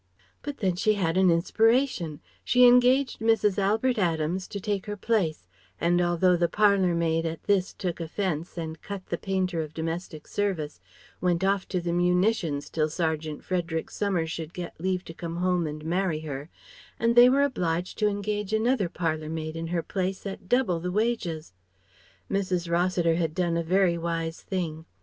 But then she had an inspiration! She engaged Mrs. Albert Adams to take her place, and although the parlour maid at this took offence and cut the painter of domestic service, went off to the munitions till Sergeant Frederick Summers should get leave to come home and marry her; and they were obliged to engage another parlour maid in her place at double the wages: Mrs. Rossiter had done a very wise thing.